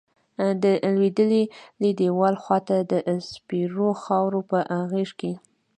د لویدلیی دیوال خواتہ د سپیرو خاور پہ غیز کیی